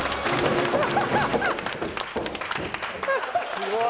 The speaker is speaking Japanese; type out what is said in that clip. すごい。